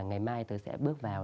ngày mai tôi sẽ bước vào